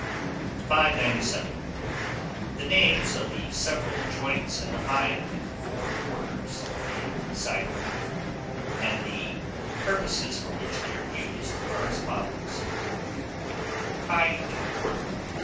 597. THE NAMES OF THE SEVERAL JOINTS in the hind and fore quarters of a side of beef, and the purposes for which they are used, are as follows: HIND QUARTER.